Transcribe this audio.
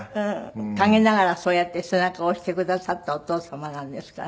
陰ながらそうやって背中を押してくださったお父様なんですから。